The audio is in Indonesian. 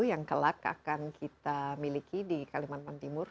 yang kelak akan kita miliki di kalimantan timur